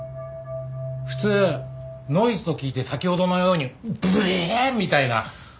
普通ノイズと聞いて先ほどのようにブエーッみたいな反応はしません。